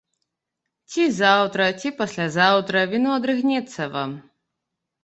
Ці заўтра, ці паслязаўтра віно адрыгнецца вам.